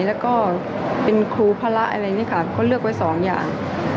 แล้วก็เป็นครูพระอะไรนี่ค่ะเขาเลือกไว้สองอย่าง